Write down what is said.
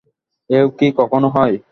এও কি কখনো হয়।